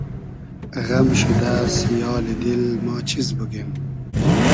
غئم شودۂ سیالی دیل ما چیز بوگیم